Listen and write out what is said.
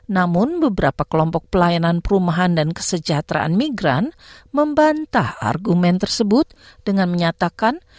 namun beberapa kelompok pelayanan perumahan dan kesejahteraan migran membantah argumen tersebut dengan menyatakan